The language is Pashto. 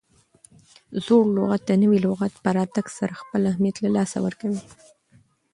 زوړ لغت د نوي لغت په راتګ سره خپل اهمیت له لاسه ورکوي.